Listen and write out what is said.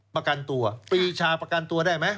ประกันตัวปรีชาประกันตัวได้ไหม